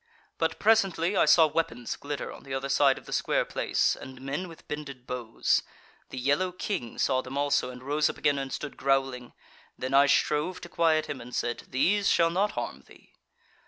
"But presently I saw weapons glitter on the other side of the square place, and men with bended bows. The yellow king saw them also, and rose up again and stood growling; then I strove to quiet him, and said, 'These shall not harm thee.'